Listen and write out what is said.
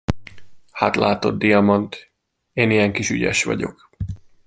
Hát látod, Diamant, én ilyen kis ügyes vagyok.